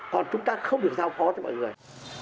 còn chúng ta không được giao phó cho mọi người